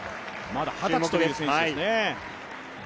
まだ二十歳という選手です。